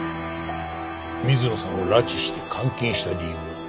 水野さんを拉致して監禁した理由は？